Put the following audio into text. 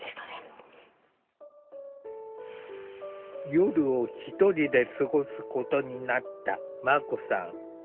夜を１人で過ごすことになったまこさん。